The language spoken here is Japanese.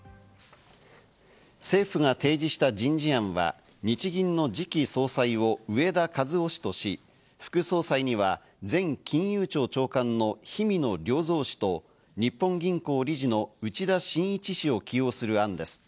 政府が提示した人事案は、日銀の次期総裁を植田和男氏とし、副総裁には前金融庁長官の氷見野良三氏と、日本銀行理事の内田眞一氏を起用する案です。